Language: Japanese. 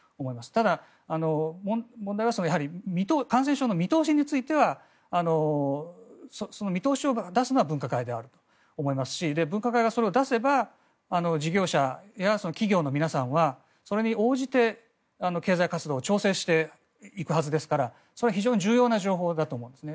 ただ、問題は感染症の見通しについてはその見通しを出すのは分科会であると思いますし分科会がそれを出せば事業者や企業の皆さんはそれに応じて経済活動を調整していくはずですからそれは非常に重要な情報だと思うんですね。